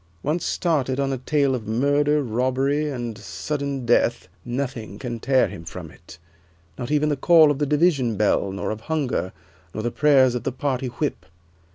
Once started on a tale of murder, robbery, and sudden death, nothing can tear him from it, not even the call of the division bell, nor of hunger, nor the prayers of the party Whip.